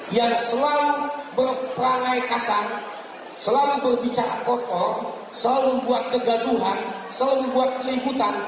yang selalu berperangai kasar selalu berbicara kotor selalu buat kegaduhan selalu buat keliputan